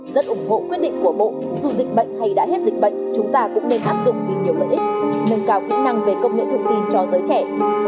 rất ủng hộ quyết định của bộ dù dịch bệnh hay đã hết dịch bệnh chúng ta cũng nên áp dụng vì nhiều lợi ích nâng cao kỹ năng về công nghệ thông tin cho giới trẻ